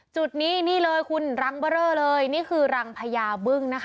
จุดนี้นี่เลยคุณรังเบอร์เรอเลยนี่คือรังพญาบึ้งนะคะ